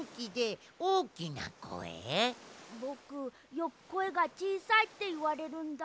ぼくよくこえがちいさいっていわれるんだ。